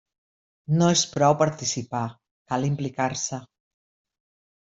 No és prou participar, cal implicar-se.